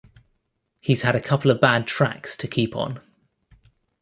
He's had a couple of bad tracks to keep on.